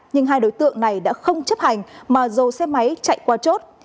nhưng hai đối tượng này đã không chấp hành mà dầu xe máy chạy qua chốt